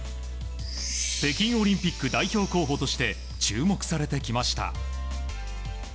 北京オリンピック代表候補として注目されてきました。